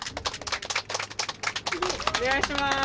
お願いします！